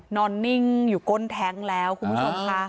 นอนหนิงอยู่ก้นแทนกแล้วคุณผู้ชมค่ะ